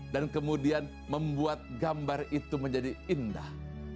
dan kemudian membuat gambar itu menjadi indah